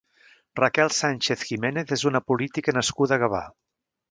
Raquel Sánchez Jiménez és una política nascuda a Gavà.